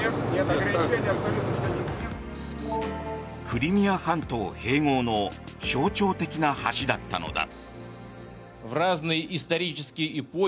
クリミア半島併合の象徴的な橋だったのだ。